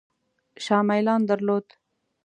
شاه میلان درلود.